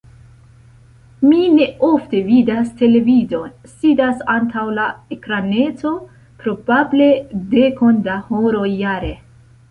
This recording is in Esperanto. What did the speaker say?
Mi neofte vidas televidon, sidas antaŭ la ekraneto probable dekon da horoj jare.